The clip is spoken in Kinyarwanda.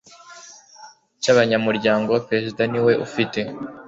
cy abanyamuryango perezida niwe ufite